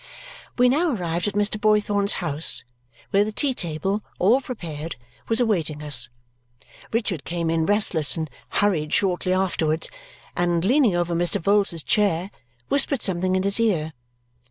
We now arrived at Mr. Boythorn's house, where the tea table, all prepared, was awaiting us. Richard came in restless and hurried shortly afterwards, and leaning over Mr. Vholes's chair, whispered something in his ear.